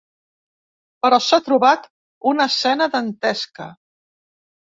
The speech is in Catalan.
Però s’ha trobat una escena dantesca.